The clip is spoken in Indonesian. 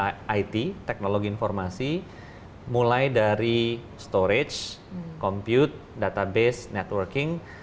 data it teknologi informasi mulai dari storage compute database networking